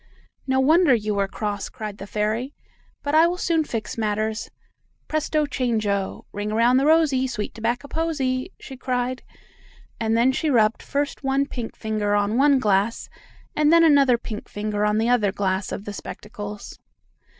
"No wonder you were cross!" cried the fairy. "But I will soon fix matters! Presto chango! Ring around the rosey, sweet tobacco posey!" she cried, and then she rubbed first one pink finger on one glass, and then another pink finger on the other glass of the spectacles.